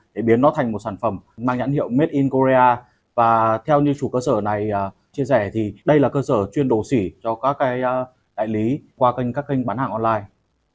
để biến nó thành một sản phẩm mang nhãn hiệu made in corea và theo như chủ cơ sở này chia sẻ thì đây là cơ sở chuyên đồ sỉ cho các cái đại lý qua kênh các kênh bán hàng online